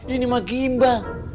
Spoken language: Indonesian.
ini mah gimbal